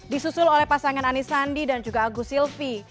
disusul oleh pasangan anisandi dan juga agus silvi